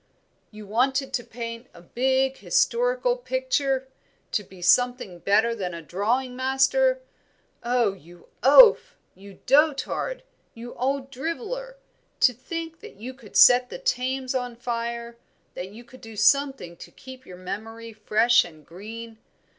"You wanted to paint a big historical picture! to be something better than a drawing master. Oh, you oaf, you dotard, you old driveller, to think that you could set the Thames on fire, that you could do something to keep your memory fresh and green.